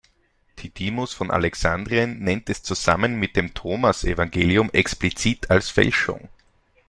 Didymus von Alexandrien nennt es zusammen mit dem Thomasevangelium explizit als Fälschung.